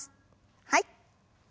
はい。